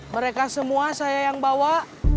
mereka semua saya yang bawa